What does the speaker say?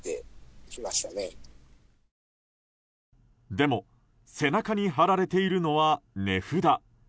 でも背中に貼られているのは値札。